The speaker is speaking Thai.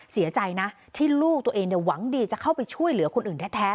เสียใจนะที่ลูกตัวเองหวังดีจะเข้าไปช่วยเหลือคนอื่นแท้